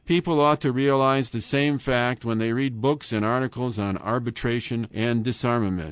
People ought to realize the same fact when they read books and articles on arbitration and disarmament.